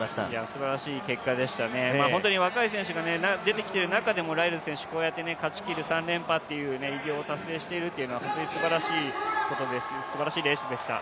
すばらしい結果でしたね、本当に若い選手が出てきている中でもライルズ選手、こうやって勝ちきる３連覇という偉業を勝ち取る、本当にすばらしいことですし、すばらしいレースでした。